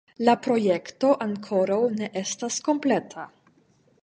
La projekto ankoraŭ ne estas kompleta.